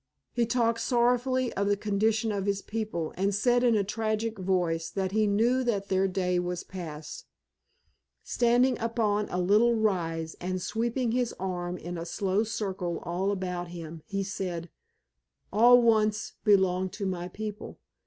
He talked sorrowfully of the condition of his people, and said in a tragic voice that he knew that their day was past. Standing upon a little rise and sweeping his arm in a slow circle all about him he said, "All once belong to my people.